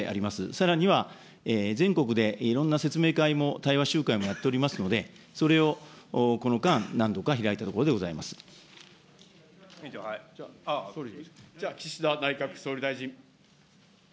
さらには全国でいろんな説明会も、対話集会もやっておりますので、それをこの間何度か開いたところ岸田内閣総理大臣。